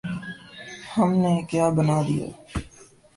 ہم نے کیا بنا دیا؟